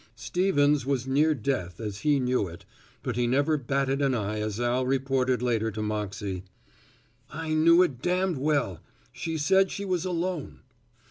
Stevens was near death and he knew it, but he never batted an eye as Al reported later to Moxey. "I knew it damned well. She said she was alone."